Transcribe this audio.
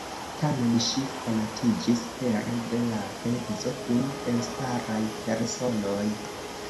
Tamen ŝi konatiĝis pere de la edzo kun elstaraj personoj.